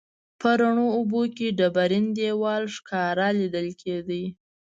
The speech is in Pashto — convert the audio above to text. په روڼو اوبو کې ډبرین دیوال ښکاره لیدل کیده.